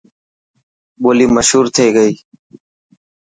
ٻولي مشور ٿي گئي.